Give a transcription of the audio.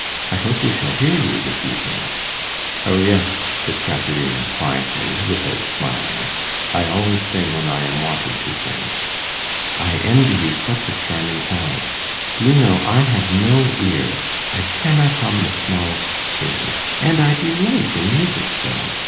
I hope we shall hear you this evening.' 'O yes,' said Caterina, quietly, without smiling; 'I always sing when I am wanted to sing.' 'I envy you such a charming talent. Do you know, I have no ear; I cannot hum the smallest tune, and I delight in music so.